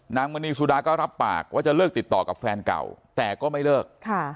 มณีสุดาก็รับปากว่าจะเลิกติดต่อกับแฟนเก่าแต่ก็ไม่เลิก